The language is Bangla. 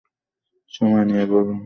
সময় নিয়ে বলুন।